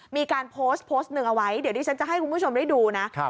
มีการโพสต์โพสต์หนึ่งเอาไว้เดี๋ยวที่ฉันจะให้คุณผู้ชมได้ดูนะ